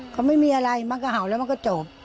เขาไม่มีอะไรมันก็เห่าแล้วมันก็จบ